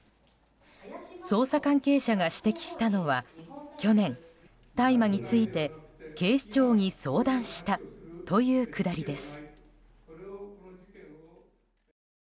捜査関係者が指摘したのは去年、大麻について警視庁に相談したというくだりです。